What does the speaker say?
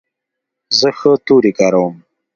زه ښه توري کاروم.